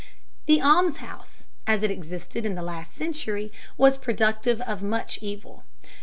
The almshouse, as it existed in the last century, was productive of much evil.